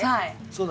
そう。